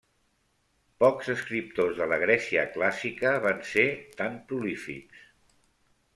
Pocs escriptors de la Grècia clàssica van ser tan prolífics.